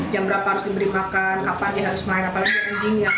jam berapa harus diberi makan kapan dia harus melayar apalagi anjingnya